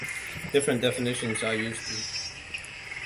Different definitions are used.